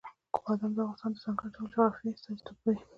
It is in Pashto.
بادام د افغانستان د ځانګړي ډول جغرافیې استازیتوب کوي.